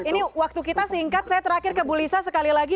ini waktu kita singkat saya terakhir ke bu lisa sekali lagi